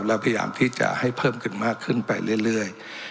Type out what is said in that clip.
แล้วพยายามที่จะให้เพิ่มขึ้นมากขึ้นไปเรื่อย